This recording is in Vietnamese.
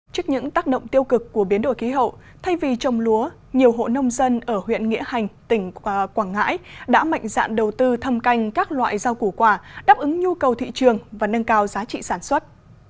trước những tác động tiêu cực của biến đổi khí hậu thay vì trồng lúa nhiều hộ nông dân ở huyện nghĩa hành tỉnh quảng ngãi đã mạnh dạn đầu tư thâm canh các loại rau củ quả đáp ứng nhu cầu thị trường và nâng cao giá trị sản xuất